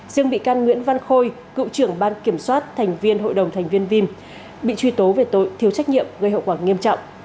riêng bị can nguyễn văn khôi cựu trưởng ban kiểm soát thành viên hội đồng thành viên vim bị truy tố về tội thiếu trách nhiệm gây hậu quả nghiêm trọng